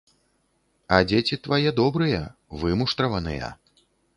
А дзеці твае добрыя, вымуштраваныя.